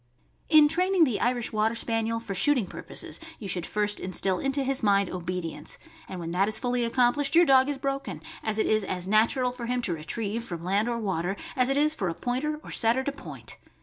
In training the Irish Water Spaniel for shooting pur poses, you should first instill into his mind obedience, and when that is fully accomplished your dog is broken, as it is as natural for him to retrieve, from land or water, as it is for a Pointer or Setter to point.